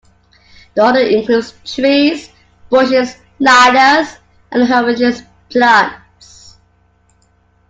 The order includes trees, bushes, lianas, and herbaceous plants.